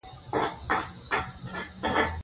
تاریخ د خلکو د هيلو انځور دی.